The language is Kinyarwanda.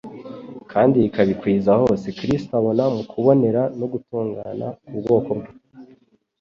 kandi rikabikwiza hose. Kristo abona mu kubonera no gutungana k'ubwoko bwe,